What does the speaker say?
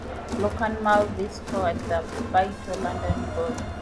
Lorcan Mulvey scored the vital London goal.